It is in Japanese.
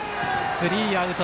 スリーアウト。